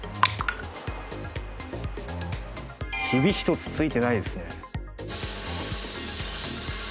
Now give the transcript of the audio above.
ひび１つ、ついていないですね。